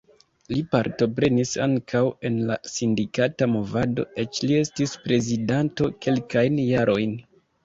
Li partoprenis ankaŭ en la sindikata movado, eĉ li estis prezidanto kelkajn jarojn.